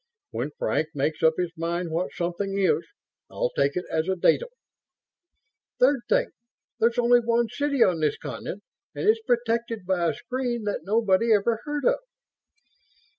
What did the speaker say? "When Frank makes up his mind what 'something' is, I'll take it as a datum." "Third thing: there's only one city on this continent, and it's protected by a screen that nobody ever heard of."